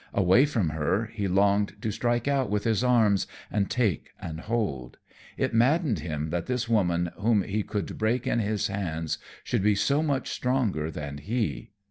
Away from her, he longed to strike out with his arms, and take and hold; it maddened him that this woman whom he could break in his hands should be so much stronger than he.